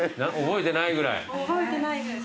覚えてないぐらいです。